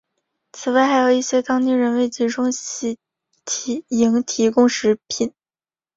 此外还有一些当地人为集中营提供食品。